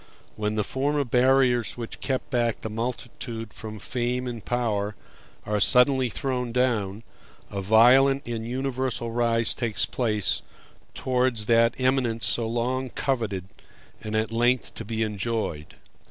When the former barriers which kept back the multitude from fame and power are suddenly thrown down, a violent and universal rise takes place towards that eminence so long coveted and at length to be enjoyed.